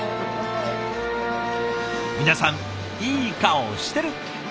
皆さんいい顔してる！